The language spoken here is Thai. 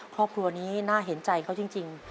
ครอบครัวนี้น่าเห็นใจเขาจริง